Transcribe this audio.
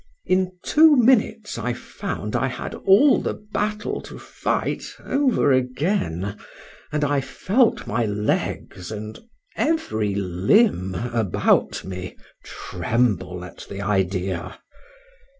—In two minutes I found I had all the battle to fight over again;—and I felt my legs and every limb about me tremble at the idea.